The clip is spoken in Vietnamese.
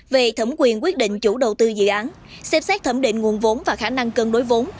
về thẩm quyền quyết định chủ đầu tư dự án xem xét thẩm định nguồn vốn và khả năng cân đối vốn